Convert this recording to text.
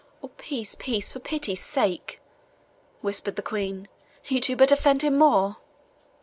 "Oh, peace, peace, for pity's sake," whispered the Queen, "you do but offend him more!"